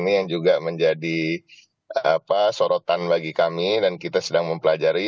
ini yang juga menjadi sorotan bagi kami dan kita sedang mempelajari